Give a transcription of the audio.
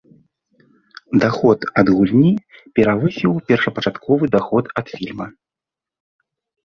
Даход ад гульні перавысіў першапачатковы даход ад фільма.